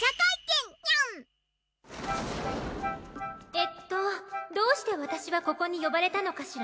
えっとどうして私はここに呼ばれたのかしら？